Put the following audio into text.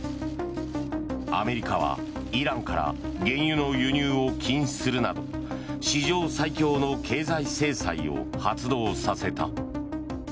アメリカはイランから原油の輸入を禁止するなど史上最強の経済制裁を発動させた。